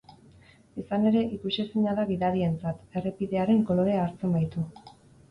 Izan ere, ikusezina da gidarientzat, errepidearen kolorea hartzen baitu.